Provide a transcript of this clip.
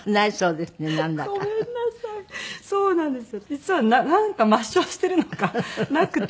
実はなんか抹消してるのかなくて。